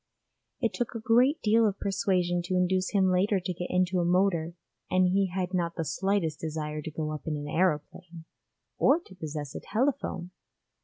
It took a great deal of persuasion to induce him later to get into a motor and he had not the slightest desire to go up in an aeroplane or to possess a telephone.